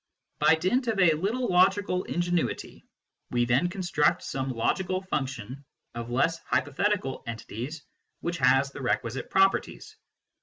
By dint of a little logical ingenuity, we then construct some logical function of less hypo thetical entities which has the requisite properties.